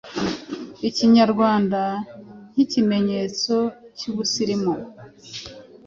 ikinyarwanda nk’ikimenyetso cy’ubusirimu.